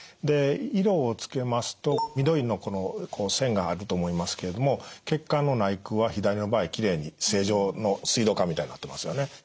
で色をつけますと緑のこのこう線があると思いますけれども血管の内腔は左の場合きれいに正常の水道管みたいなってますよね。